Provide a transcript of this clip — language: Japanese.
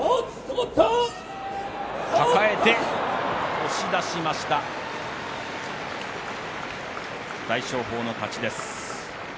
押し出しました大翔鵬の勝ちです。